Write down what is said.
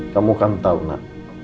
kamu kan tahu nak